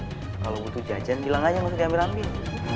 kalau butuh jajan bilang aja masuk ambil ambil